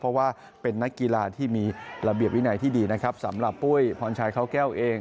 เพราะว่าเป็นนักกีฬาที่มีระเบียบวินัยที่ดีนะครับสำหรับปุ้ยพรชัยเขาแก้วเอง